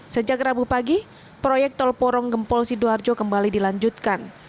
sejak rabu pagi proyek tol porong gempol sidoarjo kembali dilanjutkan